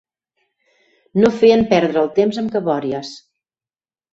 No feien perdre'l temps amb cabòries